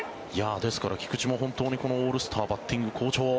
ですから、菊池もこのオールスターバッティング好調。